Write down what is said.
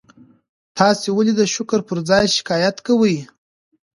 تاسي ولي د شکر پر ځای شکایت کوئ؟